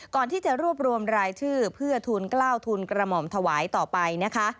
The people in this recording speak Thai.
ก่อนที่จะรวบรวมรายชื่อเพื่อทุนเกล้าทุนกรมอมถวายต่อไป